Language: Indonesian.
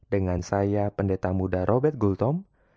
dengan saya pendeta muda robert gultom